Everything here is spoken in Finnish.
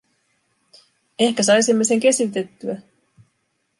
Ehkä saisimme sen kesytettyä.